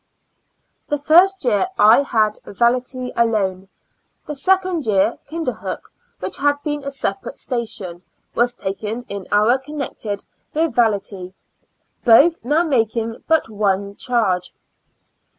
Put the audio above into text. The first year I had Valatie alone; the second year, Kinderhook, which had been a separate station, was taken in or connected with Valatie, both now making but one charge.